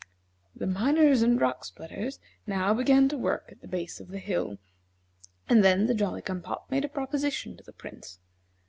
The miners and rock splitters now began to work at the base of the hill, and then the Jolly cum pop made a proposition to the Prince.